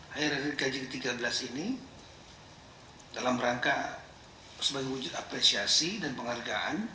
akhir akhir gaji ke tiga belas ini dalam rangka sebagai wujud apresiasi dan penghargaan